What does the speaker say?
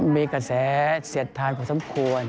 มีกระแสเสียดทานพอสมควร